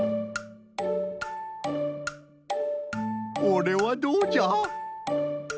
これはどうじゃ？